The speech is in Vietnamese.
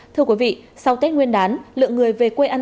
thưa quý vị sau tết nguyên đán lượng người về quê ăn